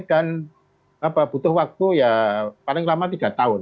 dan butuh waktu ya paling lama tiga tahun